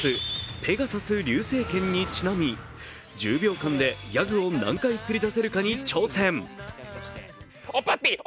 ペガサス流星拳にちなみ、１０秒間でギャグを何回繰り出せるかに挑戦。